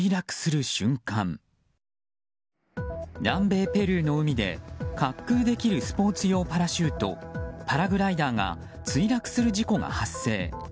南米ペルーの海で滑空できるスポーツ用パラシュートパラグライダーが墜落する事故が発生。